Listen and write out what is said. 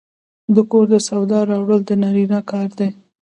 د کور د سودا راوړل د نارینه کار دی.